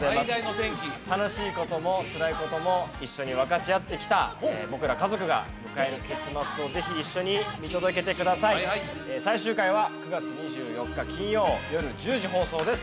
楽しいこともつらいことも一緒に分かち合ってきた僕ら家族が迎える結末をぜひ一緒に見届けてください最終回は９月２４日金曜夜１０時放送です